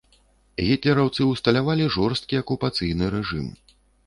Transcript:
Гітлераўцы ўсталявалі жорсткі акупацыйны рэжым.